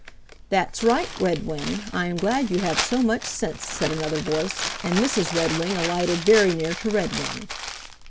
"That's right, Redwing. I am glad you have so much sense," said another voice, and Mrs. Redwing alighted very near to Redwing.